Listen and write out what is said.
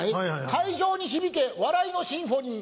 「会場に響け笑いのシンフォニー」